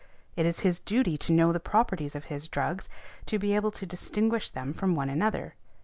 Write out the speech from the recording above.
It is his duty to know the properties of his drugs, to be able to distinguish them from one another.